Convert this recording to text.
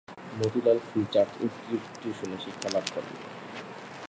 Motilal free church ইনস্টিটিউশনে শিক্ষালাভ করেন।